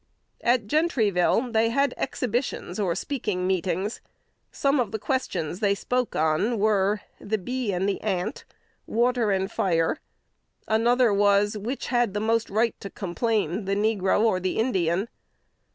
At Gentryville "they had exhibitions or speaking meetings." Some of the questions they spoke on were, The Bee and the Ant, Water and Fire: another was, Which had the most right to complain, the Negro or the Indian?